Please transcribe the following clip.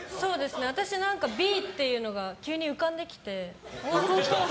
私、Ｂっていうのが急に浮かんできて。